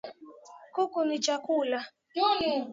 Kuku ni chakula